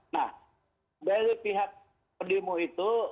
nah dari pihak pendemo itu